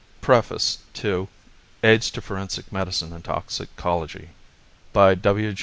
pgdp.net AIDS TO FORENSIC MEDICINE AND TOXICOLOGY BY W.